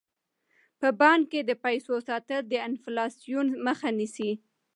په بانک کې د پیسو ساتل د انفلاسیون مخه نیسي.